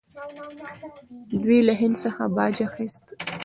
دوی له هند څخه باج اخیست